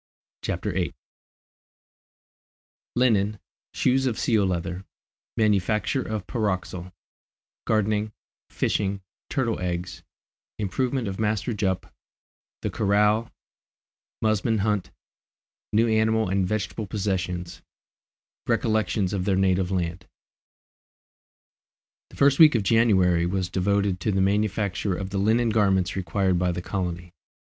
CHAPTER VIII Linen Shoes of Seal leather Manufacture of Pyroxyle Gardening Fishing Turtle eggs Improvement of Master Jup The Corral Musmon Hunt New Animal and Vegetable Possessions Recollections of their Native Land. The first week of January was devoted to the manufacture of the linen garments required by the colony.